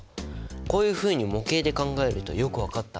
こういうふうに模型で考えるとよく分かった。